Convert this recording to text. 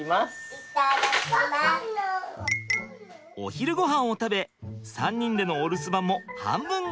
お昼ごはんを食べ３人でのお留守番も半分が終了。